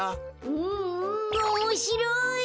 うんうんおもしろい！